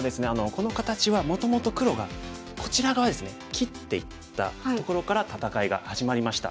この形はもともと黒がこちら側ですね切っていったところから戦いが始まりました。